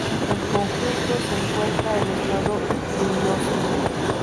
El conjunto se encuentra en estado ruinoso.